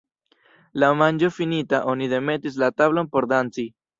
La manĝo finita, oni demetis la tablon por danci.